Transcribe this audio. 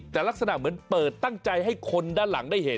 แต่ลักษณะเหมือนเปิดตั้งใจให้คนด้านหลังได้เห็น